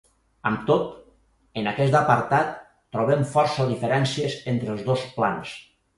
Amb tot, en aquest apartat, trobem força diferències entre els dos plans.